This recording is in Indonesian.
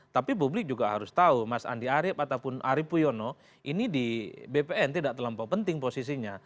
tapi publik juga harus tahu mas andi arief ataupun arief puyono ini di bpn tidak terlampau penting posisinya